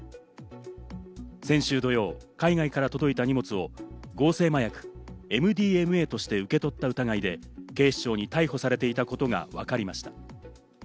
先週土曜、海外から届いた荷物を合成麻薬、ＭＤＭＡとして受け取った疑いで、警視庁に逮捕されていたことがわかりました。